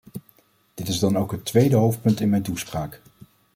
Dit is dan ook het tweede hoofdpunt in mijn toespraak.